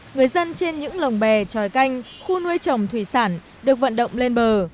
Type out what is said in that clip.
người dân trên những lồng bè tròi canh khu nuôi trồng thủy sản được vận động lên bờ